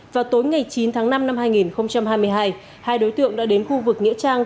vào tối ngày chín tháng năm năm hai nghìn hai mươi hai hai đối tượng đã đến khu vực nghĩa trang